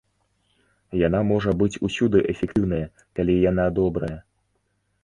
Яна можа быць усюды эфектыўная, калі яна добрая.